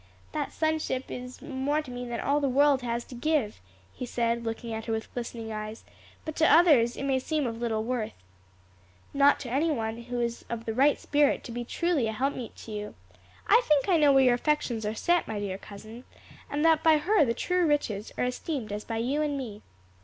"That sonship is more to me than all the world has to give," he said, looking at her with glistening eyes, "but to others it may seem of little worth." "Not to any one who is of the right spirit to be truly an helpmeet to you. I think I know where your affections are set, my dear cousin, and that by her the true riches are esteemed as by you and me."